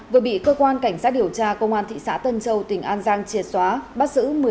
vừa bị cơ quan cảnh sát điều tra công an thị xã tân châu tỉnh an giang triệt xóa